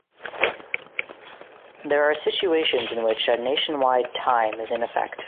There are situations in which a nationwide time is in effect.